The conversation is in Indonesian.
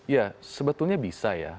ya sebetulnya bisa ya